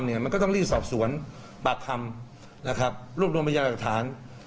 เนี่ยมันก็ต้องรีบสอบสวนปราภทรรมนะครับรวบรวมบริยา